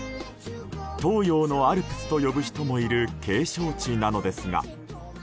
東洋のアルプスと呼ぶ人もいる景勝地なのですが。